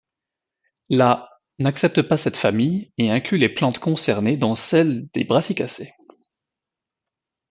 La n'accepte pas cette famille et inclut les plantes concernées dans celle des Brassicacées.